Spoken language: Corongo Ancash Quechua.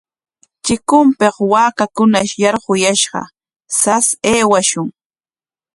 Chikunpik waakakunash yarquyashqa, sas aywashun.